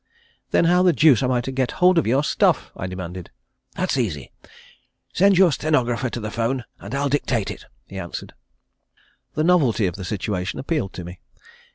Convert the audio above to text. "Then how the deuce am I to get hold of your stuff?" I demanded. "That's easy. Send your stenographer to the 'phone and I'll dictate it," he answered. The novelty of the situation appealed to me.